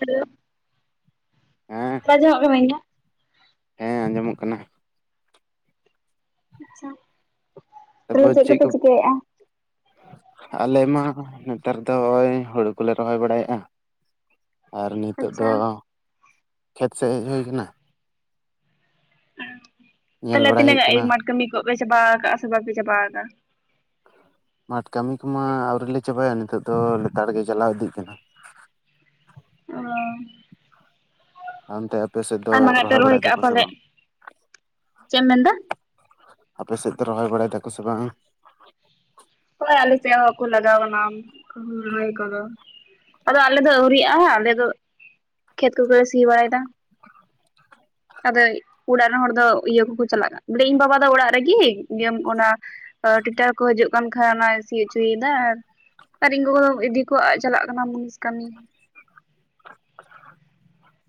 Hello ᱦᱮᱸ ᱨᱚᱲ ᱟᱸᱡᱚᱢᱚᱜ ᱠᱟᱱᱟ ᱤᱧᱟᱜ? ᱦᱮᱸ ᱟᱸᱡᱚᱢᱚᱜ ᱠᱟᱱᱟ᱾ ᱟᱪᱪᱷᱟ᱾ ᱛᱟᱦᱚᱞᱮ ᱟᱫᱚ ᱪᱮᱫ ᱠᱚᱯᱮ ᱪᱤᱠᱟᱹᱭᱮᱫᱼᱟ? ᱟᱞᱮ ᱢᱟ ᱦᱚᱜ-ᱚᱭ ᱱᱮᱛᱟᱨ ᱫᱚ ᱳᱭ ᱦᱩᱲᱩ ᱠᱚᱞᱮ ᱨᱚᱦᱚᱭ ᱵᱟᱲᱟᱭᱮᱜᱼᱟ᱾ ᱟᱨ ᱱᱤᱛᱳᱜ ᱟᱪᱪᱷᱟ ᱫᱚ ᱠᱷᱮᱛ ᱥᱮᱫ ᱦᱮᱡ ᱦᱩᱭ ᱠᱟᱱᱟ᱾ ᱧᱮᱞ ᱛᱟᱦᱚᱞᱮ ᱵᱟᱲᱟᱭ ᱛᱤᱱᱟᱹᱜ ᱦᱩᱭᱩᱜ ᱮᱭ ᱠᱟᱱᱟ ᱢᱟᱴ ᱠᱟᱹᱢᱤ ᱠᱚ ᱯᱮ ᱪᱟᱵᱟ ᱠᱟᱜᱼᱟ ᱥᱮ ᱵᱟᱯᱮ ᱪᱟᱵᱟᱠᱟᱜ-ᱟ? ᱢᱟᱴᱷᱚ ᱠᱟᱹᱢᱤ ᱠᱚᱢᱟ ᱟᱹᱣᱨᱤ ᱞᱮ ᱪᱟᱵᱟᱭᱟ ᱱᱤᱛᱚᱜ ᱫᱚ ᱞᱮᱛᱟᱲ ᱜᱮ ᱪᱟᱞᱟᱣ ᱤᱫᱤᱜ ᱠᱟᱱᱟ᱾ ᱚᱻ᱾ ᱟᱱᱛᱮ ᱟᱯᱮ ᱥᱮᱫ ᱫᱚ ᱨᱚᱦᱚᱭ ᱵᱟᱲᱟᱭ ᱫᱟᱠᱚ ᱥᱮ ᱵᱟᱝ? ᱪᱮᱜ ᱮᱢ ᱢᱮᱱᱫᱟ? ᱟᱯᱮ ᱥᱮᱫ ᱫᱚ ᱨᱚᱦᱚᱭ ᱵᱟᱲᱟᱭ ᱫᱟᱠᱚ ᱥᱮ ᱵᱟᱝ? ᱦᱳᱭ ᱟᱞᱮ ᱥᱮᱫ ᱦᱚᱸ ᱠᱚ ᱞᱟᱜᱟᱣ ᱠᱟᱱᱟ ᱦᱩᱲᱩ ᱨᱚᱦᱚᱭ ᱠᱚᱫᱚ᱾ ᱟᱫᱚ ᱟᱞᱮ ᱫᱚ ᱟᱹᱣᱨᱤᱜᱼᱟ ᱟᱞᱮᱫ ᱫᱚ ᱠᱷᱮᱛ ᱠᱚᱜᱮᱞᱮ ᱥᱤ ᱵᱟᱲᱟᱭᱮᱫᱟ᱾ ᱟᱫᱚ ᱚᱲᱟᱜ ᱨᱮᱱ ᱦᱚᱲ ᱫᱚ ᱤᱭᱟᱹ ᱠᱚᱠᱚ ᱪᱟᱞᱟᱜ ᱠᱟᱱᱟ, ᱵᱚᱞᱮ ᱤᱧ ᱵᱟᱵᱟ ᱫᱚ ᱚᱲᱟᱜ ᱨᱮᱜᱮ ᱤᱭᱟᱹ ᱚᱱᱟ ᱮᱸ ᱴᱮᱠᱴᱟᱨ ᱠᱚ ᱦᱤᱡᱩᱜ ᱠᱟᱱ ᱠᱷᱟᱡ ᱚᱱᱟ ᱥᱤ ᱦᱚᱪᱚᱭᱮᱫᱟ ᱟᱨ ᱟᱨ ᱤᱧ ᱜᱚᱜᱚ ᱫᱚ ᱫᱤᱠᱩᱣᱟᱜ ᱮ ᱪᱟᱞᱟᱜ ᱠᱟᱱᱟ ᱢᱩᱱᱤᱥ ᱠᱟᱹᱢᱤ᱾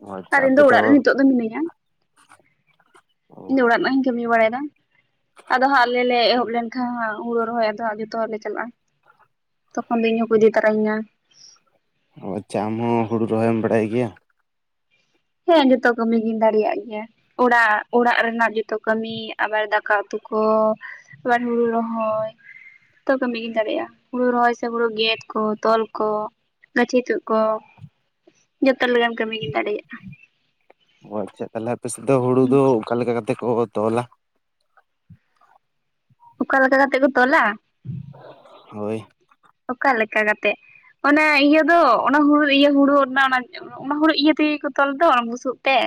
ᱚ ᱟᱪᱪᱷᱟ ᱟᱨ ᱤᱧ ᱟᱯᱮ ᱫᱚ ᱚᱲᱟᱜ ᱨᱮ ᱱᱤᱛᱚᱜ ᱫᱚ ᱢᱤᱱᱟᱹᱧᱟ᱾ ᱤᱧ ᱫᱚ ᱚ ᱚᱲᱟᱜ ᱨᱮᱱᱟᱜ ᱤᱧ ᱠᱟᱹᱢᱤ ᱵᱟᱲᱟᱭ ᱫᱟ᱾ ᱟᱫᱚ ᱦᱟᱸᱜ ᱟᱞᱮ ᱞᱮ ᱮᱦᱚᱵ ᱞᱮᱱᱠᱷᱟᱱ ᱦᱟᱸᱜ ᱦᱩᱲᱩ ᱨᱚᱦᱚᱭ ᱟᱫᱚ ᱦᱟᱸᱜ ᱡᱚᱛᱚ ᱦᱚᱲᱞᱮ ᱪᱟᱞᱟᱜᱼᱟ ᱛᱚᱠᱷᱚᱱ ᱫᱚ ᱤᱧ ᱦᱚᱸ ᱠᱚ ᱤᱫᱤ ᱛᱚᱨᱟᱧ ᱧᱟᱹ ᱚ ᱟᱪᱷᱢ ᱟᱢ ᱦᱚᱸ ᱦᱩᱲᱩ ᱨᱚᱦᱚᱭᱮᱢ ᱵᱟᱰᱟᱭ ᱜᱮᱭᱟ? ᱦᱮᱸ ᱡᱚᱛᱚ ᱠᱟᱹᱢᱤ ᱜᱤᱧ ᱫᱟᱲᱮᱭᱟᱜ ᱜᱮᱭᱟ ᱚᱲᱟᱜ ᱚᱲᱟᱜ ᱨᱮᱱᱟᱜ ᱡᱚᱛᱚ ᱠᱟᱹᱢᱤ ᱟᱵᱟᱨ ᱫᱟᱠᱟ ᱩᱛᱩ ᱠᱚ ᱟᱵᱟᱨ ᱦᱩᱲᱩ ᱨᱚᱦᱚᱭ ᱛᱚ ᱠᱟᱹᱢᱤᱜᱤᱧ ᱫᱟᱲᱮᱭᱟᱜᱼᱟ ᱦᱩᱲᱩ ᱨᱚᱦᱚᱭ ᱥᱮ ᱦᱩᱲᱩ ᱜᱮᱫ ᱠᱚ ᱛᱚᱞ ᱠᱚ ᱜᱟᱹᱪᱷᱤ ᱛᱚᱜ ᱠᱚ ᱡᱚᱛᱚ ᱞᱮᱠᱟᱟᱱ ᱠᱟᱹᱢᱤ ᱜᱮᱢ ᱫᱟᱲᱮᱭᱟᱜ ᱚ ᱟᱪᱪᱷᱟ ᱛᱟᱦᱚᱞᱮ ᱟᱯᱮ ᱥᱮᱫ ᱫᱚ ᱦᱩᱲᱩ ᱫᱚ ᱚᱠᱟ ᱞᱮᱠᱟ ᱠᱟᱛᱮᱫ ᱠᱚ ᱛᱚᱞᱟ? ᱚᱠᱟ ᱞᱮᱠᱟ ᱠᱟᱛᱮᱫ ᱠᱚ ᱛᱚᱞᱟ? ᱦᱳᱭ ᱚᱠᱟ ᱞᱮᱠᱟ ᱠᱟᱛᱮᱜ ᱚᱱᱟᱮ ᱤᱭᱟᱹ ᱫᱚ ᱚᱱᱟ ᱦᱩᱲ ᱤᱭᱟᱹ ᱦᱩᱲᱩ ᱨᱮᱱᱟᱜ ᱚᱱᱟ ᱚᱱᱟ ᱦᱩᱲᱩ ᱤᱭᱟᱹ ᱛᱮᱜᱮ ᱠᱚ ᱛᱚᱞ ᱫᱚ ᱵᱩᱥᱩᱵ ᱛᱮ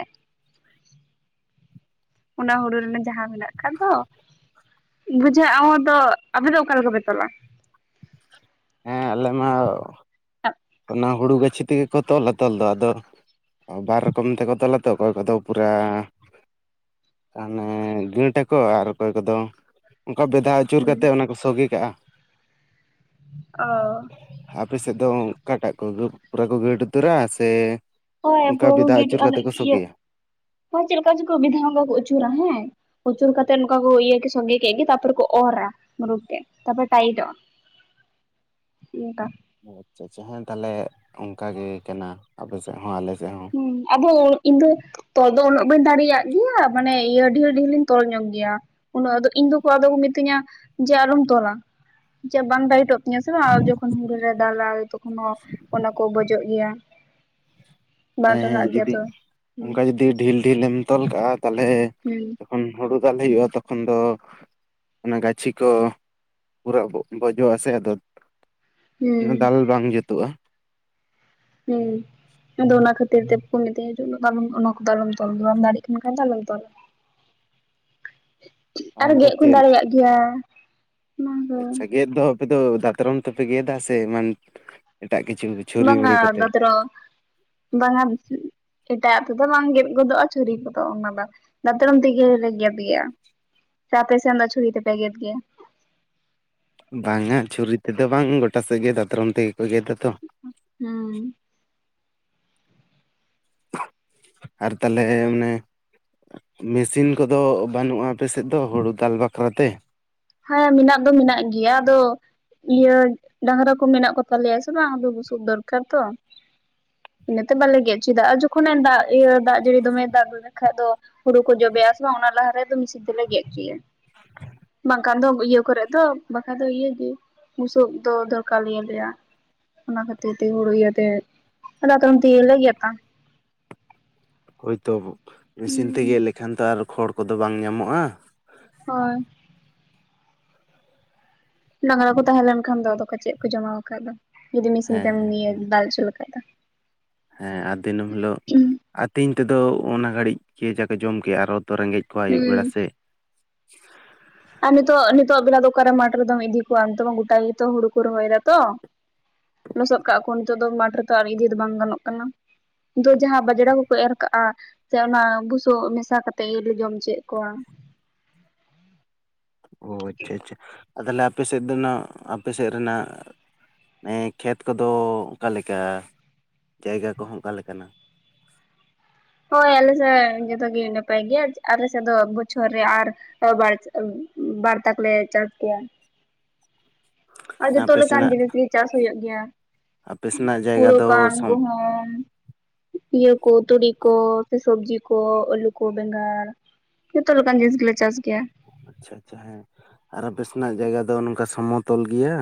ᱚᱱᱟ ᱦᱩᱲᱩ ᱨᱮᱱᱟᱜ ᱡᱟᱦᱟᱸ ᱢᱮᱱᱟᱜ ᱠᱟ ᱫᱚ ᱵᱩᱡᱷᱟᱹᱜ ᱟᱣᱟ ᱫᱚ ᱟᱯᱮ ᱫᱚ ᱚᱠᱟ ᱞᱮᱠᱟ ᱯᱮ ᱛᱚᱞᱟ? ᱦᱮᱸ ᱟᱞᱮ ᱢᱟ ᱟᱵ ᱚᱱᱟ ᱦᱩᱲᱩ ᱜᱟᱹᱪᱷᱤ ᱛᱮᱜᱮ ᱠᱚ ᱛᱚᱞᱟ ᱛᱚᱞ ᱫᱚ ᱟᱫᱚ ᱵᱟᱨ ᱨᱚᱠᱚᱢ ᱛᱮᱠᱚ ᱛᱚᱞᱟ ᱛᱚ ᱚᱠᱚᱭ ᱠᱚᱫᱚ ᱯᱩᱨᱟᱹ ᱦᱟᱱᱮ ᱜᱟᱹᱴ ᱟᱠᱚ ᱟᱨ ᱚᱠᱚᱭ ᱠᱚᱫᱚ ᱚᱱᱠᱟ ᱵᱮᱫᱷᱟᱣ ᱪᱩᱨ ᱦᱩᱸ ᱠᱟᱛᱮᱫ ᱚᱱᱟ ᱠᱚ ᱥᱚᱜᱮ ᱠᱟᱜᱼᱟ᱾ ᱚ ᱟᱯᱮ ᱥᱮᱫ ᱫᱚ ᱚᱠᱟᱴᱟᱜ ᱠᱚ ᱯᱩᱨᱟᱹ ᱠᱚ ᱜᱟᱹᱰ ᱩᱛᱟᱹᱨᱟ? ᱥᱮ ᱦᱳᱭ ᱚᱱᱠᱟ ᱯᱩᱨᱟᱹ ᱠᱩ ᱵᱮᱫᱷᱟ ᱜᱟᱹᱴ ᱟᱹᱪᱩᱨ ᱠᱟᱛᱮ ᱚᱱᱮ ᱠᱚ ᱤᱭᱟᱹ ᱥᱚᱜᱮᱭᱟ ᱢᱟ ᱪᱮᱫ ᱞᱮᱠᱟ ᱪᱚᱠᱚ ᱵᱤᱫᱷᱟᱣ ᱵᱚᱸᱜᱟ ᱠᱚ ᱟᱹᱪᱩᱨᱟ ᱦᱮᱸ ᱩᱪᱩᱨ ᱠᱟᱛᱮᱜ ᱱᱚᱝᱠᱟ ᱠᱚ ᱤᱭᱟᱹ ᱠᱮ ᱥᱚᱝᱜᱮ ᱠᱮᱫ ᱜᱮ ᱛᱟᱯᱚᱨ ᱠᱚ ᱚᱨᱟ ᱢᱩᱨᱩᱫ ᱛᱮ ᱛᱟᱯᱚᱨᱮ ᱴᱟᱭᱤᱴ ᱚᱜᱟ ᱩᱱᱠᱟ ᱟᱪᱪᱷᱟ ᱪᱷᱟ ᱦᱮᱸ ᱛᱟᱦᱚᱞᱮ ᱚᱱᱠᱟ ᱜᱮ ᱠᱟᱱᱟ ᱟᱯᱮ ᱥᱮᱫ ᱦᱚᱸ ᱟᱞᱮ ᱥᱮᱫ ᱦᱚᱸ ᱦᱩ ᱟᱫᱚ ᱤᱧ ᱫᱚ ᱛᱚᱞ ᱫᱚ ᱩᱱᱟᱹᱜ ᱵᱟᱹᱧ ᱫᱟᱲᱮᱭᱟᱜ ᱜᱮᱭᱟ ᱢᱟᱱᱮ ᱤᱭᱟᱹ ᱰᱷᱮᱠ ᱰᱷᱮᱞ ᱞᱤᱧ ᱛᱚᱞ ᱧᱚᱜ ᱜᱮᱭᱟ ᱩᱱᱟᱹᱜ ᱤᱧ ᱫᱚ ᱟᱫᱚ ᱠᱚ ᱢᱤᱛᱟᱹᱧᱟ ᱡᱮ ᱟᱞᱚᱢ ᱛᱚᱞᱟ ᱡᱮ ᱵᱟᱝ ᱰᱟᱭᱤᱴᱚᱜ ᱟᱨ ᱥᱮ ᱵᱟᱝ ᱟᱫᱚ ᱡᱚᱠᱷᱚᱱ ᱦᱳᱲᱳ ᱨᱮ ᱫᱟᱞᱟᱭ ᱛᱚᱠᱷᱚᱱ ᱦᱚᱸ ᱚᱱᱟ ᱠᱚ ᱵᱚᱡᱚᱜ ᱜᱮᱭᱟ ᱵᱟᱝ ᱦᱮᱸ ᱦᱮᱸ ᱴᱟᱨᱦᱟᱜ ᱜᱮᱭᱟ ᱡᱩᱫᱤ ᱛᱚ ᱦᱩᱸ ᱚᱱᱠᱟ ᱡᱩᱫᱤ ᱰᱷᱤᱞ ᱰᱷᱤᱞ ᱞᱮᱢ ᱛᱚᱞ ᱠᱟᱜᱼᱟ ᱛᱟᱦᱚᱞᱮ ᱦᱩᱸ ᱠᱷᱚᱱ ᱦᱳᱲᱩ ᱫᱟᱞ ᱦᱩᱭᱩᱜᱼᱟ ᱛᱚᱠᱷᱚᱱ ᱫᱚ ᱚᱱᱟ ᱜᱟᱹᱪᱷᱤ ᱠᱚ ᱯᱩᱨᱟᱹ ᱵᱚᱡᱚᱜ ᱟᱥᱮ ᱟᱫᱚ ᱦᱩᱸ ᱫᱟᱞ ᱵᱟᱝ ᱡᱩᱛᱩᱜᱼᱟ ᱦᱮᱸ ᱫᱱᱟ ᱠᱷᱟᱹᱛᱤᱨ ᱛᱮ ᱠᱩ ᱢᱤᱫᱟᱧᱟᱹ ᱩᱱᱟᱜ ᱫᱚ ᱚᱱᱟ ᱠᱚᱫᱚ ᱟᱞᱚᱢ ᱫᱚᱞᱟ ᱵᱟᱢ ᱫᱟᱲᱮᱜᱭᱟᱜ ᱠᱟᱱ ᱠᱷᱟᱱ ᱫᱚ ᱟᱞᱚᱢ ᱫᱚᱞᱟ ᱟᱨ ᱚᱱᱠᱟ ᱜᱮᱫ ᱠᱚᱧ ᱪᱮᱫ ᱫᱟᱲᱮᱭᱟᱜ ᱜᱮᱭᱟ ᱚᱱᱟ ᱫᱚ ᱟᱪᱪᱷᱟ ᱜᱮᱫ ᱫᱚ ᱟᱯᱮ ᱫᱚ ᱫᱟᱛᱨᱚᱢ ᱛᱮᱯᱮ ᱜᱮᱫᱟ ᱥᱮ ᱮᱢᱟᱱ ᱮᱴᱟᱜ ᱠᱤᱪᱷᱩ? ᱪᱷᱩᱨᱤ ᱵᱟᱝᱟ ᱵᱩᱨᱤ ᱠᱚᱛᱮ? ᱫᱟᱛᱨᱚᱢ ᱵᱟᱝᱟ ᱮᱴᱟᱜ ᱛᱮᱫᱚ ᱵᱟᱝ ᱜᱮᱫ ᱜᱚᱫᱚᱜᱼᱟ ᱪᱷᱩᱨᱤ ᱠᱚᱫᱚ ᱚᱱᱟ ᱠᱚᱫᱚ ᱫᱟᱛᱨᱚᱢ ᱛᱮᱜᱮᱞᱮ ᱜᱮᱫ ᱜᱮᱭᱟ ᱥᱮ ᱯᱮ ᱥᱮᱱ ᱫᱚ ᱪᱷᱩᱨᱤ ᱛᱮ ᱯᱮ ᱜᱮᱫ ᱜᱮᱭᱟ? ᱵᱟᱝᱟ ᱪᱷᱩᱨᱤ ᱛᱮᱫᱚ ᱵᱟᱝ ᱜᱚᱴᱟ ᱥᱮᱫ ᱜᱮ ᱫᱟᱛᱨᱚᱢ ᱛᱮᱜᱮ ᱠᱚ ᱜᱮᱫᱟ ᱛᱚ᱾ ᱦᱩᱸ᱾ ᱟᱨ ᱛᱟᱞᱦᱮ ᱢᱟᱱᱮ ᱢᱮᱥᱤᱱ ᱠᱚᱫᱚ ᱵᱟᱹᱱᱩᱜᱼᱟ ᱟᱯᱮ ᱥᱮᱫ ᱫᱚ ᱦᱩᱲᱩ ᱫᱟᱞ ᱵᱟᱠᱷᱨᱟᱛᱮ? ᱦᱮᱸ ᱢᱮᱱᱟᱜ ᱫᱚ ᱢᱮᱱᱟᱜ ᱜᱮᱭᱟ ᱟᱫᱚ ᱤᱭᱟᱹ ᱰᱟᱝᱨᱟ ᱠᱚ ᱢᱮᱱᱟᱜ ᱠᱚᱛᱟᱞᱮᱭᱟ ᱥᱮ ᱵᱟᱝ ᱟᱫᱚ ᱵᱩᱥᱩᱵ ᱫᱚᱨᱠᱟᱨ ᱛᱚ᱾ ᱤᱱᱟᱹᱛᱮ ᱵᱟᱞᱮ ᱜᱮᱫ ᱦᱚᱪᱚᱭᱮᱫᱟ ᱟᱨ ᱡᱚᱠᱷᱚᱱᱮ ᱫᱟᱜ ᱤᱭᱟᱹ ᱫᱟᱜ ᱡᱟᱹᱲᱤ ᱫᱚᱢᱮ ᱫᱟᱜ ᱞᱮᱠᱷᱟᱡ ᱫᱚ ᱦᱩᱲᱩ ᱠᱚ ᱡᱚᱵᱮᱜ-ᱟ ᱥᱮ ᱵᱟᱝ ᱚᱱᱟ ᱞᱟᱦᱟ ᱨᱮ ᱟᱫᱚ ᱢᱤᱥᱤᱱ ᱛᱮᱞᱮ ᱜᱮᱫ ᱦᱚᱪᱚᱭᱟ᱾ ᱵᱟᱝᱠᱷᱟᱱ ᱫᱚ ᱤᱭᱟᱹ ᱠᱚᱨᱮᱫ ᱫᱚ ᱵᱟᱠᱟᱱ ᱫᱚ ᱤᱭᱟᱹ ᱜᱮ ᱵᱩᱥᱩᱵ ᱫᱚ ᱫᱚᱨᱠᱟᱨ ᱞᱮᱭᱟ ᱟᱞᱮᱭᱟ᱾ ᱚᱱᱟ ᱠᱷᱟᱹᱛᱤᱨ ᱛᱮ ᱦᱩᱲᱩ ᱤᱭᱟᱹᱛᱮ ᱫᱟᱛᱨᱚᱢ ᱛᱮᱜᱮ ᱞᱮ ᱜᱮᱛᱟ᱾ ᱦᱳᱭ ᱛᱚ ᱢᱮᱥᱤᱱ ᱛᱮ ᱦᱩᱸ ᱜᱮᱫ ᱞᱮᱠᱷᱟᱱ ᱛᱚ ᱟᱨ ᱠᱷᱚᱲ ᱠᱚᱫᱚ ᱵᱟᱝ ᱧᱟᱢᱚᱜᱼᱟ᱾ ᱦᱳᱭ᱾ ᱰᱟᱝᱨᱟ ᱠᱚ ᱛᱟᱦᱮᱸ ᱞᱮᱱ ᱠᱷᱟᱱ ᱫᱚ ᱟᱫᱚ ᱠᱚ ᱪᱮᱫ ᱠᱚ ᱡᱚᱢᱟ ᱵᱟᱠᱷᱟᱡ ᱫᱚ᱾ ᱡᱩᱫᱤ ᱢᱤᱥᱤᱱ ᱦᱮᱸ ᱛᱮᱢ ᱦᱮᱸ ᱱᱤᱭᱟᱹ ᱦᱮᱸ ᱫᱟᱞ ᱚᱪᱚ ᱞᱮᱠᱷᱟᱡ ᱫᱚ᱾ ᱦᱮᱸ ᱟᱨ ᱫᱤᱱᱟᱹᱢ ᱦᱤᱞᱳᱜ ᱟᱹᱛᱤᱧ ᱛᱮᱫᱚ ᱚᱱᱟ ᱜᱷᱟᱹᱲᱤᱡ ᱜᱮ ᱡᱟᱠᱚ ᱡᱚᱢ ᱠᱮᱫ ᱟᱨᱚ ᱛᱚ ᱨᱮᱸᱜᱮᱡ ᱠᱚᱣᱟ ᱟᱭᱩᱵ ᱵᱮᱲᱟ ᱦᱩᱸ ᱥᱮᱫ᱾ ᱟᱨ ᱱᱤᱛᱚᱜ ᱱᱤᱛᱚᱜ ᱵᱮᱞᱟ ᱫᱚ ᱚᱠᱟᱨᱮ ᱢᱟᱴᱷ ᱨᱮᱫᱚᱢ ᱤᱫᱤ ᱠᱚᱣᱟ ᱱᱤᱛᱳᱜ ᱢᱟ ᱜᱚᱴᱟ ᱜᱮᱛᱚ ᱦᱩᱲᱩ ᱠᱚ ᱨᱚᱦᱚᱭᱮᱫᱟ ᱛᱚ᱾ ᱞᱚᱥᱚᱫ ᱠᱟᱜ-ᱟ ᱠᱚ ᱱᱤᱛᱚᱜ ᱫᱚ ᱢᱟᱴᱷ ᱨᱮᱛᱚ ᱟᱨ ᱤᱫᱤ ᱫᱚ ᱵᱟᱝ ᱜᱟᱱᱚᱜ ᱠᱟᱱᱟ᱾ ᱫᱚ ᱡᱟᱦᱟᱸ ᱵᱟᱡᱽᱲᱟ ᱠᱚᱠᱚ ᱮᱨ ᱠᱟᱜᱼᱟ ᱥᱮ ᱚᱱᱟ ᱵᱩᱥᱩᱵ ᱢᱮᱥᱟ ᱠᱟᱛᱮᱫ ᱤᱨ ᱡᱚᱢ ᱦᱚᱪᱚᱭᱮᱫ ᱠᱚᱣᱟ᱾ ᱚ ᱟᱪᱪᱷᱟ ᱟᱪᱪᱷᱟ ᱟ ᱛᱟᱦᱚᱞᱮ ᱟᱯᱮ ᱥᱮᱫ ᱫᱚ ᱱᱟᱜ ᱟᱯᱮ ᱥᱮᱫ ᱨᱮᱱᱥᱜ ᱟᱱᱮ ᱠᱷᱮᱛ ᱠᱚᱫᱚ ᱚᱠᱟᱮᱠᱟ ᱡᱟᱭᱜᱟ ᱠᱚᱦᱚᱸ ᱚᱠᱟᱞᱮᱠᱟᱱᱟ? ᱦᱳᱭ ᱟᱞᱮ ᱥᱮᱫ ᱡᱚᱛᱚᱜ ᱜᱮ ᱱᱟᱯᱟᱭ ᱜᱮᱭᱟ ᱟᱞᱮ ᱥᱮᱫ ᱫᱚ ᱵᱚᱪᱷᱚᱨ ᱨᱮ ᱟᱨ [inaudible] ᱵᱟᱨᱛᱟ ᱠᱚᱞᱮ ᱪᱟᱥ ᱜᱮᱭᱟ᱾ ᱟᱨ ᱡᱚᱛᱚ ᱟᱯᱮ ᱞᱮᱠᱟᱱ ᱥᱮᱱᱟᱜ ᱡᱤᱱᱤᱥ ᱜᱮ ᱪᱟᱥ ᱦᱩᱭᱩᱜ ᱜᱮᱭᱟ ᱟᱯᱮ ᱥᱮᱱᱟᱜ ᱡᱟᱭᱜᱟ ᱦᱩᱲᱩ ᱫᱚ ᱠᱟᱱ ᱥᱚᱢ ᱜᱩᱦᱩᱢ ᱤᱭᱟᱹ ᱠᱚ, ᱛᱩᱲᱤ ᱠᱚ ᱥᱮ ᱥᱚᱵᱽᱡᱤ ᱠᱚ, ᱟᱹᱞᱩ ᱠᱚ, ᱵᱮᱸᱜᱟᱲ ᱡᱚᱛᱚ ᱞᱮᱠᱟᱱ ᱡᱤᱱᱤᱥ ᱜᱮᱞᱮ ᱪᱟᱥ ᱜᱮᱭᱟ᱾ ᱟᱪᱪᱷᱟ ᱟᱪᱪᱷᱟ ᱦᱮᱸ, ᱟᱨ ᱟᱯᱮ ᱥᱮᱱᱟᱜ ᱡᱟᱭᱜᱟ ᱫᱚ ᱱᱚᱝᱠᱟ ᱥᱚᱢᱚᱛᱚᱞ ᱜᱮᱭᱟ?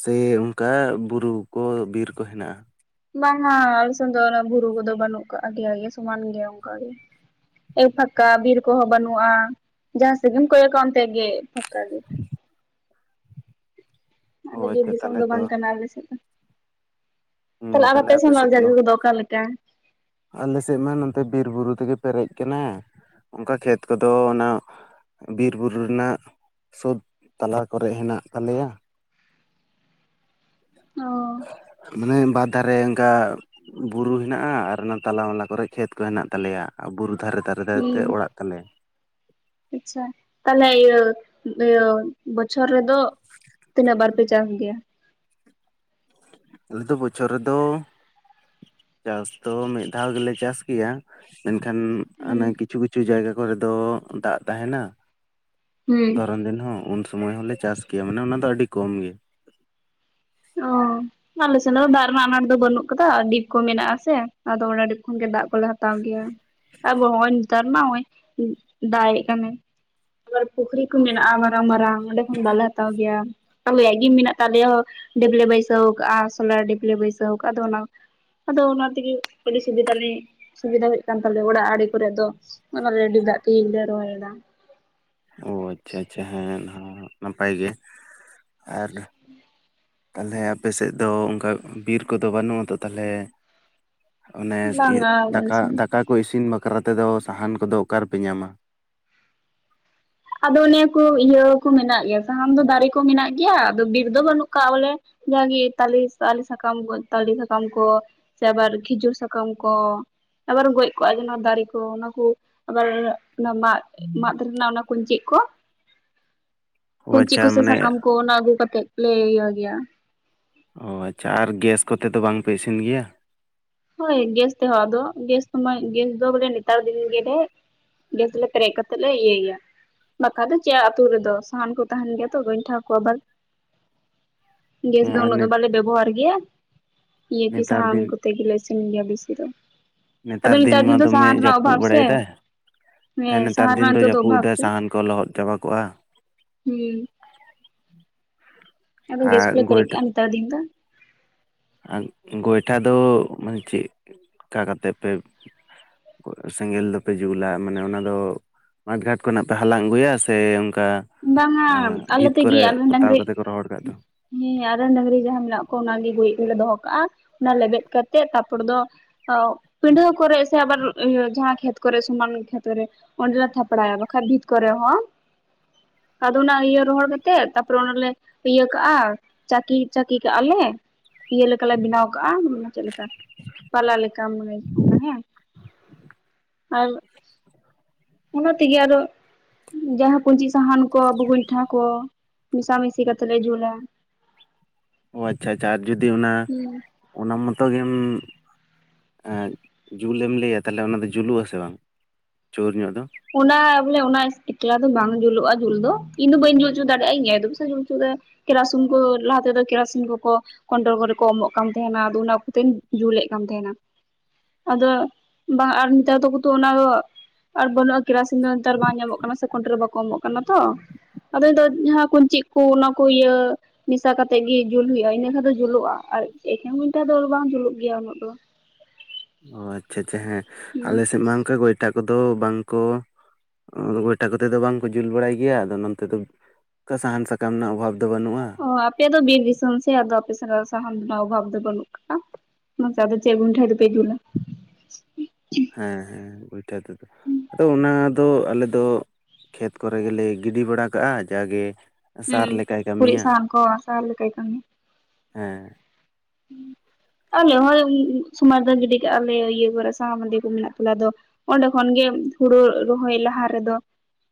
ᱥᱮ ᱚᱝᱠᱟ ᱵᱩᱨᱩ ᱠᱚ ᱵᱤᱨ ᱠᱚ ᱦᱮᱱᱟᱜᱼᱟ? ᱵᱟᱝᱟ ᱟᱞᱮ ᱥᱮᱱ ᱫᱚ ᱚᱱᱟ ᱵᱩᱨᱩ ᱠᱚᱫᱚ ᱵᱟᱹᱱᱩᱜ ᱠᱟᱜᱼᱟ ᱫᱮᱭᱟ ᱜᱮ ᱥᱚᱢᱟᱱ ᱜᱮᱭᱟ ᱚᱱᱠᱟᱜ ᱜᱮ᱾ ᱮᱠ ᱯᱷᱟᱸᱠᱟ ᱵᱤᱨ ᱠᱚᱦᱚᱸ ᱵᱟᱹᱱᱩᱜᱼᱟ, ᱡᱟᱦᱟᱸ ᱥᱮᱫ ᱜᱮᱢ ᱠᱚᱭᱚᱜ-ᱟ ᱚᱱᱛᱮ ᱜᱮ ᱯᱷᱸᱟᱠᱟ ᱜᱮ᱾ ᱚ ᱟᱞᱮ ᱵᱤᱨ ᱟᱪᱪᱷᱟ ᱫᱤᱥᱚᱢ ᱛᱟᱦᱚᱞᱮ ᱫᱚ ᱛᱚ ᱵᱟᱝ ᱠᱟᱱᱟ ᱟᱞᱮ ᱥᱮᱫ ᱫᱚ᱾ ᱦᱩᱸ ᱛᱟᱦᱚᱞᱮ ᱟᱨ ᱟᱯᱮ ᱥᱮᱱᱟᱜ ᱥᱮᱫ ᱫᱚ ᱡᱟᱭᱜᱟ ᱠᱚᱫᱚ ᱚᱠᱟ ᱞᱮᱠᱟ? ᱟᱞᱮ ᱥᱮᱫ ᱢᱟ ᱱᱚᱱᱛᱮ ᱵᱤᱨ ᱵᱩᱨᱩ ᱛᱮᱜᱮ ᱯᱮᱨᱮᱡ ᱠᱟᱱᱟ᱾ ᱚᱱᱠᱟ ᱠᱷᱮᱛ ᱠᱚᱫᱚ ᱚᱱᱟ ᱵᱤᱨ ᱵᱩᱨᱩ ᱨᱮᱱᱟᱜ ᱥᱳᱛ ᱛᱟᱞᱟ ᱠᱚᱨᱮᱜ ᱦᱮᱱᱟᱜ ᱛᱟᱞᱮᱭᱟ᱾ ᱚ ᱢᱟᱱᱮ ᱵᱟᱫᱽ ᱫᱷᱟᱨᱮ ᱚᱱᱠᱟ ᱵᱩᱨᱩ ᱦᱮᱱᱟᱜᱼᱟ ᱟᱨ ᱚᱱᱟ ᱛᱟᱞᱟ ᱢᱟᱞᱟ ᱠᱚᱨᱮᱜ ᱠᱷᱮᱛ ᱠᱚ ᱦᱮᱱᱟᱜ ᱛᱟᱞᱮᱭᱟ᱾ ᱟᱨ ᱵᱩᱨᱩ ᱫᱷᱟᱨᱮ ᱫᱷᱟᱨᱮ ᱫᱷᱟᱨᱮ ᱛᱮ ᱦᱩᱸ ᱚᱲᱟᱜ ᱛᱟᱞᱮ᱾ ᱟᱪᱪᱷᱟ, ᱛᱟᱦᱞᱮ ᱤᱭᱟᱹ ᱤᱭᱟᱹ ᱵᱚᱪᱷᱚᱨ ᱨᱮᱫᱚ ᱛᱤᱱᱟᱹᱜ ᱵᱟᱨ ᱯᱮ ᱪᱟᱥ ᱜᱮᱭᱟ? ᱟᱞᱮ ᱫᱚ ᱵᱚᱪᱷᱚᱨ ᱨᱮᱫᱚ ᱪᱟᱥ ᱫᱚ ᱢᱤᱫ ᱫᱷᱟᱣ ᱜᱮᱞᱮ ᱪᱟᱥ ᱜᱮᱭᱟ, ᱢᱮᱱᱠᱷᱟᱱ ᱦᱩᱸ ᱦᱟᱱᱮ ᱠᱤᱪᱷᱩ ᱠᱤᱪᱷᱩ ᱡᱟᱭᱜᱟ ᱠᱚᱨᱮ ᱫᱚ ᱫᱟᱜ ᱛᱟᱦᱮᱸᱱᱟ, ᱦᱩᱸ ᱫᱷᱚᱨᱚᱱ ᱫᱤᱱ ᱦᱚᱸ ᱩᱱ ᱥᱩᱚᱢᱚᱭ ᱦᱚᱞᱮ ᱪᱟᱥ ᱜᱮᱭᱟ ᱢᱟᱱᱮ ᱚᱱᱟ ᱫᱚ ᱟᱹᱰᱤ ᱠᱚᱢ ᱜᱮ᱾ ᱚ᱾ ᱟᱞᱮ ᱥᱮᱱ ᱫᱚ ᱫᱟᱜ ᱨᱮᱱᱟᱜ ᱟᱱᱟᱴ ᱫᱚ ᱵᱟᱹᱱᱩᱜ ᱠᱟᱫᱟ ᱟᱨ ᱰᱤᱯ ᱠᱚ ᱢᱮᱱᱟᱜ-ᱟ ᱥᱮ, ᱟᱫᱚ ᱚᱱᱟ ᱰᱤᱯ ᱠᱷᱚᱱ ᱜᱮ ᱫᱟᱜ ᱠᱚᱞᱮ ᱦᱟᱛᱟᱣ ᱜᱮᱭᱟ᱾ ᱟᱵᱚ ᱦᱚᱸᱜ-ᱚᱭ ᱱᱮᱛᱟᱨ ᱢᱟ ᱱᱚᱜ-ᱚᱭ ᱫᱟᱜᱮᱜ ᱠᱟᱱᱟᱭ᱾ ᱟᱵᱟᱨ ᱯᱩᱠᱷᱨᱤ ᱠᱚ ᱢᱮᱱᱟᱜ-ᱟ ᱢᱟᱨᱟᱝ ᱢᱟᱨᱟᱝ ᱚᱸᱰᱮ ᱠᱷᱚᱱ ᱫᱟᱜ ᱞᱮ ᱦᱟᱛᱟᱣ ᱜᱮᱭᱟ᱾ ᱟᱞᱮᱭᱟᱜ ᱜᱮ ᱢᱮᱱᱟᱜ ᱛᱟᱞᱮᱭᱟ, ᱦᱚᱸ ᱰᱤᱵᱷᱞᱮ ᱵᱟᱹᱭᱥᱟᱹᱣ ᱠᱟᱜ-ᱟ ᱥᱳᱞᱟᱨ ᱰᱤᱵᱷᱞᱮ ᱵᱟᱹᱭᱥᱟᱹᱣ ᱠᱟᱜ-ᱟ, ᱟᱫᱚ ᱚᱱᱟ ᱟᱫᱚ ᱚᱱᱟ ᱛᱮᱜᱮ ᱟᱹᱵᱤ ᱥᱩᱵᱤᱫᱷᱟ ᱞᱮ ᱥᱩᱵᱤᱫᱟ ᱦᱩᱭᱩᱜ ᱠᱟᱱ ᱛᱟᱞᱮᱭᱟ, ᱚᱲᱟᱜ ᱟᱲᱮ ᱠᱚᱨᱮ ᱫᱚ, ᱱᱚᱜ-ᱱᱟ ᱨᱮᱰᱤ ᱫᱟᱜ ᱛᱮ ᱜᱮᱞᱮ ᱨᱚᱦᱚᱭᱮᱫᱟ᱾ ᱚᱻ ᱟᱪᱪᱷᱟ ᱟᱪᱪᱷᱟ, ᱦᱮᱸ ᱚᱱᱟ ᱦᱚᱸ ᱱᱟᱯᱟᱭ ᱜᱮ ᱟᱨ ᱛᱟᱦᱚᱸᱞᱮ ᱟᱯᱮ ᱥᱮᱫ ᱫᱚ ᱚᱱᱠᱟ ᱵᱤᱨ ᱠᱚᱫᱚ ᱵᱟᱹᱱᱩᱜ ᱟᱛᱚ ᱛᱟᱦᱚᱸᱞᱮ ᱚᱱᱮ ᱥᱮ ᱤᱭᱟᱹ ᱵᱟᱝᱟ ᱟᱞᱮ ᱫᱟᱠᱟ ᱥᱮᱱ ᱫᱚ ᱫᱟᱠᱟ ᱠᱚ ᱤᱥᱤᱱ ᱵᱟᱠᱷᱨᱟ ᱛᱮᱫᱚ ᱥᱟᱦᱟᱱ ᱠᱚ ᱫᱚ ᱚᱠᱟ ᱨᱮᱯᱮ ᱧᱟᱢᱟ? ᱟᱫᱚ ᱱᱤᱭᱟᱹ ᱠᱚ ᱤᱭᱟᱹ ᱠᱚ ᱢᱮᱱᱟᱜ ᱜᱮᱭᱟ ᱥᱟᱦᱟᱱ ᱫᱚ, ᱫᱟᱨᱮ ᱠᱚ ᱢᱮᱱᱟᱜ ᱜᱮᱭᱟ ᱟᱫᱚ ᱵᱤᱨ ᱫᱚ ᱵᱟᱹᱱᱩᱜ ᱠᱟᱜ-ᱟ, ᱵᱚᱞᱮ ᱡᱟᱜᱮ ᱛᱟᱞᱮ, ᱛᱟᱞᱮ ᱥᱟᱠᱟᱢ ᱠᱚ, ᱛᱟᱞᱮ ᱥᱟᱠᱟᱢ ᱠᱚ ᱥᱮ ᱟᱵᱟᱨ ᱠᱷᱤᱡᱩᱨ ᱥᱟᱠᱟᱢ ᱠᱚ, ᱟᱵᱟᱨ ᱜᱚᱡ ᱠᱚᱜ-ᱟ ᱡᱮ ᱱᱚᱣᱟ ᱫᱟᱨᱮ ᱠᱚ ᱚᱱᱟᱠᱩ, ᱟᱵᱟᱨ ᱚᱱᱟ ᱢᱟᱫ ᱢᱟᱫ ᱨᱮᱱᱟᱜ ᱚᱱᱟ ᱠᱩᱧᱪᱤᱜ ᱠᱚ ᱚ ᱠᱩᱧᱪᱤ ᱟᱪᱪᱷᱟ ᱠᱚ ᱥᱮ ᱢᱟᱱᱮ ᱥᱟᱠᱟᱢ ᱠᱚ ᱚᱱᱟ ᱟᱹᱜᱩ ᱠᱟᱛᱮᱫ ᱞᱮ ᱤᱭᱟᱹ ᱜᱮᱭᱟ᱾ ᱚ ᱟᱪᱪᱷᱟ, ᱟᱨ ᱜᱮᱥ ᱠᱚᱛᱮ ᱫᱚ ᱵᱟᱝ ᱯᱮ ᱤᱥᱤᱱ ᱜᱮᱭᱟ? ᱦᱳᱭ ᱜᱮᱥ ᱛᱮ ᱦᱚᱸ ᱟᱫᱚ, ᱜᱮᱥ ᱢᱟ ᱜᱮᱥ ᱫᱚ ᱵᱚᱞᱮ ᱱᱮᱛᱟᱨ ᱫᱤᱱ ᱜᱮᱞᱮ ᱜᱮᱥ ᱞᱮ ᱯᱮᱨᱮᱡ ᱠᱟᱛᱮ ᱞᱮ ᱤᱭᱟᱹᱭ ᱜᱮᱭᱟ᱾ ᱵᱟᱠᱷᱟᱱ ᱫᱚ ᱪᱮᱫ ᱟᱛᱳ ᱨᱮᱫᱚ ᱥᱟᱦᱟᱱ ᱠᱚ ᱛᱟᱦᱮᱸᱱ ᱜᱮᱭᱟ ᱛᱚ ᱜᱚᱸᱭᱴᱷᱟ ᱠᱚ ᱟᱵᱟᱨ ᱜᱮᱥ ᱦᱮᱸ ᱫᱚ ᱩᱱᱟᱹᱜ ᱫᱚ ᱟᱨ ᱵᱟᱞᱮ ᱵᱮᱵᱚᱦᱟᱨ ᱜᱮᱭᱟ, ᱤᱭᱟᱹ ᱠᱤ ᱱᱮᱛᱟᱨ ᱥᱟᱱᱟᱢ ᱫᱤᱱ ᱠᱚᱛᱮ ᱜᱮᱞᱮ ᱤᱥᱤᱱ ᱜᱮᱭᱟ ᱵᱮᱥᱤ ᱫᱚ, ᱟᱫᱚ ᱱᱮᱛᱟᱨ ᱢᱟ ᱫᱤᱱ ᱫᱚ ᱫᱚᱢᱮ ᱥᱟᱦᱟᱱ ᱨᱮᱱᱟᱜ ᱡᱟᱹᱯᱩᱫ ᱚᱵᱷᱟᱵ ᱥᱮ, ᱵᱟᱲᱟᱭᱮᱫᱟᱭ ᱦᱮᱸ ᱱᱮᱛᱟᱨ ᱥᱟᱦᱟᱱ ᱫᱤᱱ ᱨᱮᱱᱟᱜ ᱱᱤᱛᱚᱜ ᱫᱚ ᱡᱟᱹᱯᱩᱫ ᱚᱵᱷᱟᱵᱷ ᱮᱫᱟᱭ ᱠᱩ, ᱥᱟᱦᱟᱱ ᱠᱚ ᱞᱚᱦᱚᱫ ᱪᱟᱵᱟ ᱠᱚᱜᱼᱟ ᱦᱩᱸ᱾ ᱟᱫᱚ ᱜᱮᱥ ᱟᱨ ᱠᱚᱞᱮ ᱯᱮᱨᱮᱡ ᱠᱟᱜ-ᱟ ᱱᱮᱛᱟᱨ ᱫᱤᱱ ᱫᱚ᱾ ᱟᱨ ᱜᱚᱭᱴᱷᱟ ᱫᱚ ᱢᱟᱱᱮ ᱪᱮᱫᱠᱟ ᱠᱟᱛᱮᱫ ᱯᱮ ᱥᱮᱸᱜᱮᱞ ᱫᱚᱯᱮ ᱡᱩᱞᱟ ᱢᱟᱱᱮ ᱚᱱᱟ ᱫᱚ ᱢᱟᱴᱷ ᱜᱷᱟᱴ ᱠᱷᱚᱱᱟᱜ ᱯᱮ ᱦᱟᱞᱟᱝ ᱟᱹᱜᱩᱭᱟ ᱥᱮ ᱚᱝᱠᱟ ᱵᱟᱝᱟ ᱟᱞᱮ ᱛᱮᱜᱮ ᱟᱞᱮ ᱨᱮᱱ ᱰᱟᱝᱨᱤ ᱠᱟᱛᱮ ᱠᱚ ᱨᱚᱦᱚᱲ ᱠᱟᱜ ᱫᱚ ᱦᱮᱸ ᱟᱨ ᱨᱮᱱ ᱰᱟᱹᱝᱨᱤ ᱜᱮ ᱡᱟᱦᱟᱸ ᱢᱮᱱᱟᱜ ᱠᱚᱣᱟ ᱚᱱᱟᱜᱮ ᱜᱩᱨᱤᱡ ᱠᱚᱞᱮ ᱫᱚ ᱦᱚᱸ ᱠᱟᱜ-ᱟ, ᱚᱱᱟ ᱞᱮᱵᱮᱫ ᱠᱟᱛᱮᱜ ᱛᱟᱨᱯᱚᱨ ᱫᱚ ᱚ ᱯᱤᱰᱟᱹ ᱠᱚᱨᱮ ᱥᱮ ᱟᱵᱟᱨ ᱡᱟᱦᱟᱸ ᱠᱷᱮᱛ ᱠᱚᱨᱮ ᱥᱚᱢᱟᱱ ᱠᱷᱮᱛ ᱨᱮ ᱚᱸᱰᱮ ᱛᱷᱟᱯᱲᱟᱭᱟ ᱵᱟᱠᱷᱟᱱ ᱵᱷᱤᱛ ᱠᱚᱨᱮ ᱦᱚᱸ ᱟᱫᱚ ᱚᱱᱟ ᱤᱭᱟᱹ ᱨᱚᱦᱚᱲ ᱠᱟᱛᱮᱜ, ᱛᱟᱨᱯᱚ ᱨᱮ ᱚᱱᱟᱞᱮ ᱤᱭᱟᱹ ᱠᱟᱜ-ᱟ ᱪᱟᱹᱠᱤ ᱪᱟᱹᱠᱤ ᱠᱟᱜ-ᱟ ᱞᱮ᱾ ᱤᱭᱟᱹ ᱞᱮᱠᱟᱞᱮ ᱵᱮᱱᱟᱣ ᱠᱟᱜ-ᱟ ᱢᱟᱱᱮ ᱪᱮᱫ ᱞᱮᱠᱟ ᱯᱟᱞᱟ ᱞᱮᱠᱟ ᱢᱟᱱᱮ ᱚᱱᱟ ᱦᱮᱸ ᱟᱨ, ᱚᱱᱟ ᱛᱮᱜᱮ ᱟᱨ ᱦᱚᱸ᱾ ᱡᱟᱦᱟ ᱠᱩᱧᱪᱤ ᱥᱟᱦᱟᱱ ᱠᱚ ᱵᱩᱜᱭᱴᱷᱟ ᱠᱚ ᱢᱮᱥᱟᱢᱤᱥᱤ ᱠᱟᱛᱮᱜ ᱞᱮ ᱡᱩᱞᱟ᱾ ᱚ ᱟᱪᱪᱷᱟ ᱟᱪᱪᱷᱟ ᱟᱨ ᱡᱩᱫᱤ ᱚᱱᱟ, ᱦᱮᱸ ᱚᱱᱟ ᱢᱚᱛᱚ ᱜᱮᱢ ᱟ ᱡᱩᱞᱮᱢ ᱞᱟᱹᱭᱟ ᱛᱟᱦᱚᱸᱞᱮ ᱚᱱᱟ ᱫᱚ ᱡᱩᱞᱩᱜ ᱟᱥᱮ ᱵᱟᱝ ᱪᱳᱨ ᱧᱚᱜ ᱫᱚ᱾ ᱚᱱᱟ ᱵᱚᱞᱮ ᱚᱱᱟ ᱮᱠᱞᱟ ᱫᱚ ᱵᱟᱝ ᱡᱩᱞᱩᱜ-ᱟ ᱡᱩᱞ ᱫᱚ ᱤᱧ ᱫᱚ ᱵᱟᱹᱧ ᱡᱩᱞ ᱦᱚᱪᱚ ᱫᱟᱲᱮᱭᱟᱜ-ᱟ ᱤᱧ ᱟᱭ ᱫᱚ ᱯᱮᱥᱮ ᱡᱩᱞ ᱦᱚᱪᱚᱟᱲᱮ ᱠᱮᱨᱥᱩᱱ ᱠᱚ ᱞᱟᱦᱟ ᱛᱮᱫᱚ ᱠᱮᱨᱥᱤᱱ ᱠᱚ ᱠᱚ ᱠᱚᱸᱱᱰᱚᱞ ᱠᱚᱨᱮ ᱠᱚ ᱮᱢᱚᱜ ᱠᱟᱱ ᱛᱟᱦᱮᱸᱱᱟ ᱟᱫᱚ ᱚᱱᱟ ᱠᱚᱛᱮᱧ ᱡᱩᱞᱮᱫ ᱠᱟᱱ ᱛᱟᱦᱮᱸᱱᱟ᱾ ᱟᱫᱚ ᱵᱟᱝ ᱟᱨ ᱱᱮᱛᱟᱨ ᱠᱤᱛᱩ ᱚᱱᱟ ᱟᱨ ᱵᱟᱱᱩᱜ-ᱟ᱾ ᱠᱮᱨᱟᱥᱤᱱ ᱫᱚ ᱱᱮᱛᱟᱨ ᱵᱟᱝ ᱧᱟᱢᱚᱜ ᱠᱟᱱᱟ ᱥᱮ ᱠᱳᱱᱴᱮᱞ ᱨᱮ ᱵᱟᱠᱚ ᱮᱢᱚᱜ ᱠᱟᱱᱟ ᱛᱚ᱾ ᱟᱫᱚ ᱱᱤᱛᱚᱜ ᱡᱟᱦᱟᱸ ᱠᱚᱧ ᱪᱮᱫ ᱠᱚ ᱚᱱᱟ ᱠᱚ ᱤᱭᱟᱹ ᱢᱮᱥᱟ ᱠᱟᱛᱮᱜ ᱜᱮ ᱡᱩᱞ ᱦᱩᱭᱩᱜ-ᱟ ᱤᱱᱟᱹ ᱠᱷᱟᱱ ᱫᱚ ᱡᱩᱞᱩᱜ-ᱟ, ᱟᱨ ᱮᱠᱮᱱ ᱜᱚᱭᱴᱟ ᱫᱚ ᱵᱟᱝ ᱡᱩᱞᱩᱜ ᱜᱮᱭᱟ ᱩᱱᱟᱹᱜ ᱫᱚ᱾ ᱚ ᱟᱪᱪᱷᱟ ᱟᱪᱪᱷᱟ ᱦᱮᱸ, ᱦᱩᱸ ᱟᱞᱮ ᱥᱮᱫ ᱢᱟ ᱚᱱᱠᱟ ᱜᱚᱭᱴᱟ ᱠᱚᱫᱚ ᱵᱟᱝ ᱠᱚ ᱟᱫᱚ ᱜᱭᱴᱷᱟ ᱠᱚᱛᱮ ᱫᱚ ᱵᱟᱝ ᱠᱚ ᱡᱩᱞ ᱵᱟᱲᱟᱭ ᱜᱮᱭᱟ ᱟᱫᱚ ᱱᱚᱱᱛᱮ ᱫᱚ᱾ ᱚᱱᱠᱟ ᱥᱟᱦᱟᱱ ᱥᱟᱠᱟᱢ ᱨᱮᱱᱟᱜ ᱚᱵᱷᱟᱵᱽ ᱫᱚ ᱵᱟᱹᱱᱩᱜᱼᱟ᱾ ᱚ ᱟᱯᱮ ᱫᱚ ᱵᱤᱨ ᱫᱤᱥᱚᱢ ᱥᱮ ᱟᱫᱚ ᱟᱯᱮ ᱥᱮᱱᱟᱜ ᱥᱟᱦᱟᱱ ᱨᱮᱱᱟᱜ ᱚᱵᱷᱟᱵ ᱫᱚ ᱵᱟᱹᱱᱩᱜ ᱠᱟᱜ-ᱟ᱾ ᱱᱚᱛᱮ ᱟᱫᱚ ᱪᱮᱫ ᱜᱩᱭᱴᱷᱟ ᱛᱮᱯᱮ ᱡᱩᱞ-ᱟ᱾ ᱦᱮᱸ ᱦᱮᱸ ᱭᱩᱭᱴᱷᱟ ᱛᱮᱜᱮ᱾ ᱟᱫᱚ ᱚᱱᱟ ᱫᱚ ᱟᱞᱮ ᱫᱚ ᱠᱷᱮᱛ ᱠᱚᱨᱮ ᱜᱮᱞᱮ ᱜᱤᱰᱤ ᱵᱟᱲᱟ ᱠᱟᱜᱼᱟ ᱡᱟ ᱜᱮ᱾ ᱦᱩᱸ ᱠᱩᱩᱨᱤᱡ ᱥᱟᱦᱟᱱ ᱠᱚ ᱥᱟᱦᱟᱱ ᱞᱮᱠᱟᱭ ᱠᱟᱢᱤ, ᱦᱮᱸ, ᱟᱞᱮ ᱦᱚᱸ ᱥᱚᱢᱚᱭ ᱨᱮᱫᱚ ᱜᱤᱰᱤ ᱠᱟᱜᱼᱟ ᱞᱮ ᱤᱭᱟᱹ ᱠᱚᱨᱮ ᱥᱟᱦᱟ ᱢᱟᱫᱮ ᱠᱚ ᱢᱮᱱᱟᱜ ᱛᱟᱞᱮ ᱫᱚ᱾ ᱚᱸᱰᱮ ᱠᱷᱚᱱ ᱜᱮ ᱦᱩᱲᱩ ᱨᱚᱦᱚᱭ ᱞᱟᱦᱟ ᱨᱮ ᱫᱚ,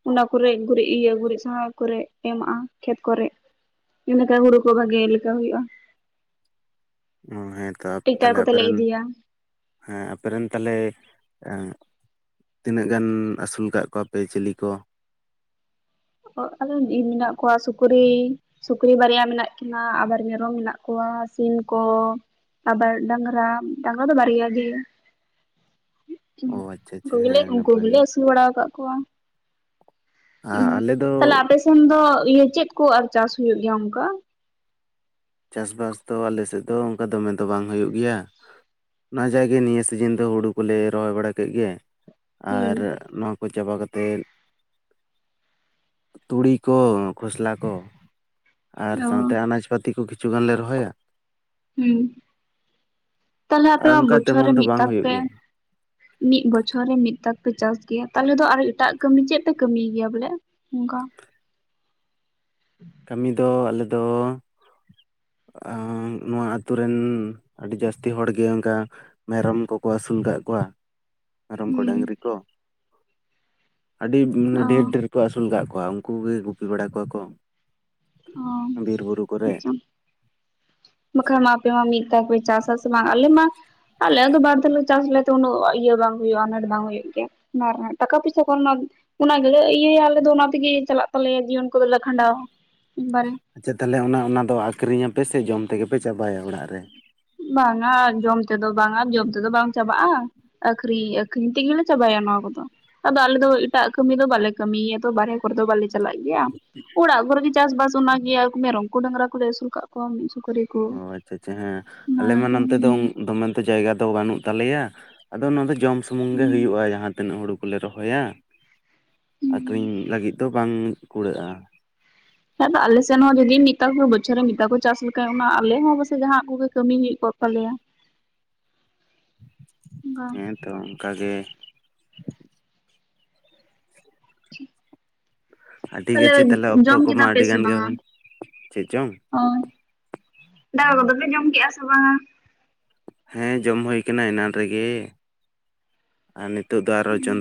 ᱚᱱᱟ ᱠᱚᱨᱮ ᱜᱩᱨᱤᱡ ᱤᱭᱟᱹ ᱜᱩᱨᱤᱡ ᱥᱟᱦᱟ ᱠᱚᱨᱮ ᱮᱢᱟᱜᱼᱟ ᱠᱷᱮᱛ ᱠᱚᱨᱮ᱾ ᱤᱱᱟᱹ ᱠᱷᱟᱱ ᱦᱩᱲᱩ ᱠᱚ ᱵᱷᱟᱜᱮ ᱞᱮᱠᱟ ᱦᱩᱭᱩᱜᱼᱟ᱾ ᱚ ᱦᱮᱸ᱾ ᱴᱤᱠᱴᱟᱨ ᱠᱚᱛᱮ ᱞᱮ ᱤᱫᱤᱭᱟ᱾ ᱦᱮᱸ ᱟᱯᱮ ᱨᱮᱱ ᱛᱟᱦᱚᱞᱮ ᱮᱸ, ᱛᱤᱱᱟᱹᱜ ᱜᱟᱱ ᱟᱹᱥᱩᱞ ᱟᱠᱟᱫ ᱠᱚᱣᱟ ᱯᱮ ᱪᱤᱞᱤ ᱠᱚ᱾ ᱚ ᱟᱞᱮ ᱨᱮᱱ ᱤ ᱢᱮᱱᱟᱜ ᱠᱚᱣᱟ ᱥᱩᱠᱨᱤ᱾ ᱥᱩᱠᱨᱤ ᱵᱟᱨᱭᱟ ᱢᱮᱱᱟᱜ ᱠᱤᱱᱟᱹ ᱟᱵᱟᱨ ᱢᱮᱨᱚᱢ ᱢᱮᱱᱟᱜ ᱠᱚᱣᱟ ᱥᱤᱢ ᱠᱚ᱾ ᱟᱵᱟᱨ ᱰᱟᱝᱨᱟ ᱰᱟᱝᱨᱟ ᱫᱚ ᱵᱟᱨᱭᱟ ᱜᱮ᱾ ᱚ ᱟᱪᱪᱷᱟ ᱟᱪᱪᱷᱟ ᱩᱱᱠᱩ ᱜᱮᱞᱮ ᱦᱮᱸ ᱩᱱᱠᱩ ᱱᱟᱯᱟᱭ ᱜᱮᱞᱮ ᱜᱮ ᱟᱹᱥᱩᱞ ᱵᱟᱲᱟ ᱟᱠᱟᱫ ᱠᱚᱣᱟ ᱟᱨ ᱩᱸ᱾ ᱟᱞᱮ ᱫᱚ ᱛᱟᱦᱞᱮ ᱟᱯᱮᱥᱱ ᱫᱚ ᱤᱭᱟᱹ ᱪᱮᱫ ᱠᱚ ᱟᱨ ᱪᱟᱥ ᱦ ᱦᱩᱭᱩᱜᱭ ᱜᱮᱭᱟ ᱚᱱᱠᱟ, ᱪᱟᱥᱵᱟᱥ ᱫᱚ ᱟᱞᱮ ᱥᱮᱫ ᱫᱚ ᱚᱱᱠᱟ ᱫᱚᱢᱮ ᱫᱚ ᱵᱟᱝ ᱦᱩᱭᱩᱜ ᱜᱮᱭᱟ᱾ ᱚᱱᱟ ᱡᱟᱭ ᱜᱮ ᱱᱤᱭᱟᱹ ᱥᱤᱡᱤᱱ ᱫᱚ ᱦᱩᱲᱩ ᱠᱚᱞᱮ ᱨᱚᱦᱚᱭ ᱵᱟᱲᱟ ᱠᱮᱫ ᱜᱮ ᱦᱩᱸ ᱟᱨ ᱱᱚ᱾ ᱠᱚ ᱪᱟᱵᱟ ᱠᱟᱛᱮᱫ᱾ ᱛᱩᱲᱤ ᱠᱚ ᱠᱷᱚᱥᱞᱟ ᱠᱚ, ᱟᱨ ᱚ ᱥᱟᱶᱛᱮ ᱟᱱᱟᱡᱽ ᱯᱟᱹᱛᱤ ᱠᱚ ᱠᱤᱪᱷᱩ ᱜᱟᱱ ᱞᱮ ᱨᱚᱦᱚᱭᱟ᱾ ᱦᱩᱸ ᱛᱟᱦᱞᱮ ᱟᱨ ᱟᱯᱮᱢᱟ ᱚᱱᱠᱟ ᱵᱚᱪᱷᱚᱨ ᱨᱮ ᱛᱮᱢᱚᱱ ᱫᱚ ᱢᱤᱫ ᱵᱟᱝ ᱛᱟᱨ ᱦᱩᱭᱩᱜ ᱯᱮ᱾ ᱜᱮᱭᱟ ᱢᱤᱫ ᱵᱚᱪᱷᱚᱨ ᱨᱮ ᱢᱤᱫ ᱫᱚᱠ ᱯᱮ ᱪᱟᱥ ᱜᱮᱭᱟ ᱛᱟᱦᱞᱮ ᱫᱚ ᱟᱨ ᱮᱴᱟᱜ ᱠᱟᱹᱢᱤ ᱪᱮᱫ ᱯᱮ ᱠᱟᱹᱢᱤᱭ ᱜᱮᱭᱟ ᱵᱚᱞᱮ, ᱚᱱᱠᱟ, ᱠᱟᱹᱢᱤ ᱫᱚ ᱟᱞᱮ ᱫᱚ, ᱱᱚᱣᱟ ᱟᱛᱳ ᱨᱮᱱ ᱟᱹᱰᱤ ᱡᱟᱹᱥᱛᱤ ᱦᱚᱲᱜᱮ ᱚᱱᱠᱟ, ᱢᱮᱨᱚᱢ ᱠᱚᱠᱚ ᱟᱹᱥᱩᱞ ᱠᱟᱜ ᱠᱚᱣᱟ ᱢᱮᱨᱚᱢ ᱠᱚ ᱦᱩᱸ ᱰᱟᱝᱨᱤ ᱠᱚ᱾ ᱟᱹᱰᱤ ᱢᱟᱱᱮ ᱚ ᱰᱷᱮᱨ ᱰᱷᱮᱨ ᱠᱚ ᱟᱹᱥᱩᱞ ᱠᱟᱜ ᱠᱚᱣᱟ ᱩᱱᱠᱩ ᱜᱮ ᱜᱩᱯᱤ ᱵᱟᱲᱟ ᱠᱚᱣᱟ ᱠᱚ᱾ ᱚ ᱵᱤᱨ ᱵᱩᱨᱩ ᱠᱚᱨᱮ᱾ ᱟᱪᱪᱷᱟ ᱵᱟᱠᱷᱟᱱ ᱢᱟ ᱟᱯᱮ ᱢᱟ ᱢᱤᱫ ᱫᱷᱟᱣ ᱯᱮ ᱪᱟᱥ ᱟᱥᱮ ᱵᱟᱝ ᱟᱞᱮ ᱢᱟ, ᱟᱞᱮ ᱫᱚ ᱵᱟᱨ ᱫᱷᱟᱣ ᱞᱮ ᱪᱟᱥ ᱞᱮᱫ ᱩᱱᱟᱹᱜ ᱤᱭᱟᱹ ᱵᱟᱝ ᱦᱩᱭᱩᱜᱼᱟ ᱟᱱᱟᱴ ᱵᱟᱝ ᱦᱩᱭᱩᱜ ᱜᱮᱭᱟ, ᱚᱱᱟ ᱨᱮᱱᱟᱜ ᱴᱟᱠᱟ ᱯᱩᱭᱥᱟ ᱠᱷᱚᱱ ᱢᱟ, ᱚᱱᱟ ᱜᱮᱞᱮ ᱤᱭᱟᱹᱭᱟ ᱟᱞᱮ ᱫᱚ ᱚᱱᱟ ᱛᱮᱜᱮ ᱪᱟᱞᱟᱜ ᱛᱟᱞᱮᱭᱟ ᱡᱤᱭᱚᱱ ᱠᱚᱫᱚᱞᱮ ᱠᱷᱟᱸᱰᱟᱣᱟ᱾ ᱪᱮᱫ ᱛᱟᱦᱚᱞᱮ ᱚᱱᱟ ᱚᱱᱟᱫᱚ ᱟᱹᱠᱷᱨᱤᱧ ᱟᱯᱮ ᱥᱮ ᱡᱚᱢ ᱛᱮᱜᱮ ᱯᱮ ᱪᱟᱵᱟᱭᱟ ᱚᱲᱟᱜ ᱨᱮ᱾ ᱵᱟᱝ-ᱟ ᱡᱚᱢ ᱛᱮᱫᱚ ᱵᱟᱝ-ᱟ ᱡᱚᱢ ᱛᱮᱫᱚ ᱵᱟᱝ ᱪᱟᱵᱟᱜᱼᱟ, ᱟᱠᱷᱨᱤᱧ ᱟᱹᱠᱷᱨᱤᱧ ᱛᱮᱜᱮ ᱞᱮ ᱪᱟᱵᱟᱭᱟ ᱱᱚᱣᱟ ᱠᱚᱫᱚ ᱟᱫᱚ ᱟᱞᱮ ᱫᱚ ᱮᱴᱟᱜ ᱠᱟᱹᱢᱤ ᱫᱚ ᱵᱟᱞᱮ ᱠᱟᱹᱢᱤᱜᱮᱭᱟ ᱛᱚ ᱵᱟᱦᱚᱨᱮ᱾ ᱠᱚᱨᱮ ᱫᱚ ᱵᱟᱞᱮ ᱪᱟᱞᱟ ᱜᱮᱭᱟ ᱟᱲᱟᱜ ᱠᱚᱨᱮ ᱜᱮ, ᱪᱟᱥ ᱵᱟᱥ ᱚᱱᱟ ᱜᱮ ᱟᱨ ᱢᱮᱨᱚᱢ ᱠᱚ ᱰᱟᱝᱨᱟ ᱠᱚᱞᱮ ᱟᱹᱥᱩᱞ ᱠᱚᱜ ᱠᱚᱣᱟ ᱢᱤᱫ ᱥᱩᱠᱚᱨᱤ, ᱚ ᱟᱪᱪᱷᱟ ᱟᱪᱪᱷᱟ ᱦᱮᱸ ᱟᱞᱮ ᱢᱟ ᱱᱚᱛᱮ ᱫᱚ ᱫᱚᱢᱮ ᱛᱚ ᱡᱟᱭᱜᱟ ᱫᱚ ᱵᱟᱹᱱᱩᱜ ᱛᱟᱞᱮᱭᱟ᱾ ᱟᱫᱚ ᱱᱚᱣᱟ ᱫᱚ ᱡᱚᱢ ᱥᱩᱢᱩᱝ ᱜᱮ ᱦᱩᱭᱩᱜᱼᱟ ᱡᱟᱦᱟᱸ ᱛᱤᱱᱟᱹᱜ ᱦᱩᱲᱳ ᱠᱚᱞᱮ ᱨᱚᱦᱚᱭᱟ᱾ ᱟᱠᱷᱨᱤᱧ ᱞᱟᱹᱜᱤᱫ ᱫᱚ ᱵᱟᱝ ᱠᱩᱲᱟᱹᱜᱼᱟ᱾ ᱦᱮᱸ ᱟᱫᱚ ᱟᱞᱮᱥᱮᱱ ᱦᱚᱸ ᱡᱩᱫᱤ ᱢᱤᱫ ᱵᱚᱪᱷᱚᱨ ᱨᱮ ᱢᱤᱫ ᱫᱷᱟᱣ ᱠᱚ ᱪᱟᱥ ᱞᱮᱠᱷᱟᱱᱡ, ᱚᱱᱟ ᱟᱞᱮ ᱦᱚᱸ ᱯᱟᱥᱮ ᱡᱟᱦᱟᱸᱱᱟᱜ ᱠᱚᱜᱮ ᱠᱟᱹᱢᱤ ᱦᱩᱭ ᱠᱚᱜ ᱛᱟᱞᱮᱭᱟ᱾ [unintelligible] ᱦᱮᱸᱛᱚ ᱚᱱᱠᱟ ᱜᱮ, ᱟᱹᱰᱤ ᱛᱟᱦᱚᱞᱮ, ᱜᱟᱪᱷᱮ ᱚᱠᱛᱚ ᱡᱚᱢ ᱠᱮᱫᱟ ᱠᱚᱢᱟ ᱯᱮ ᱟᱹᱰᱤ ᱥᱮ ᱜᱟᱱ ᱜᱮ ᱵᱟᱝᱟ? ᱪᱮᱫ ᱪᱚᱝ ᱚ ᱫᱟᱠᱟ ᱠᱚᱫᱚᱞᱮ ᱡᱚᱢ ᱠᱮᱜᱼᱟ ᱥᱮ ᱵᱟᱝᱟ? ᱦᱮᱸ ᱡᱚᱢ ᱦᱩᱭ ᱠᱟᱱᱟ ᱮᱱᱟᱱ ᱨᱮᱜᱮ, ᱟᱨ ᱱᱤᱛᱚᱜ ᱫᱚ ᱟᱨᱚ ᱪᱚᱸᱫᱟ